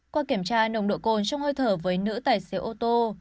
qua kiểm tra nồng độ cồn trong hơi thở với nữ tài xế ô tô